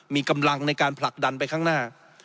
มีกำลังในการผลักดันไปข้างหน้า